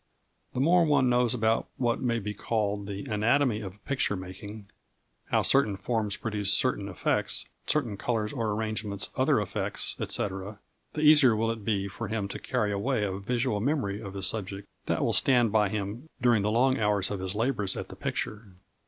The more one knows about what may be called the anatomy of picture making how certain forms produce certain effects, certain colours or arrangements other effects, &c. the easier will it be for him to carry away a visual memory of his subject that will stand by him during the long hours of his labours at the picture.